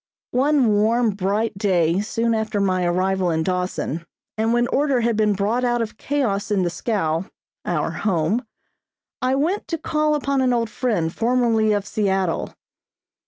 One warm, bright day soon after my arrival in Dawson, and when order had been brought out of chaos in the scow our home I went to call upon an old friend, formerly of Seattle.